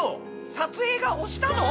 撮影が押したの？